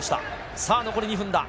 さあ、残り２分だ。